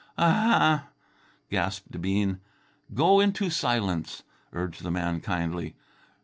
"Uh hah!" gasped Bean. "Go into the silence," urged the man kindly.